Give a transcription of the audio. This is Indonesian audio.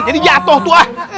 jadi jatoh tuh ah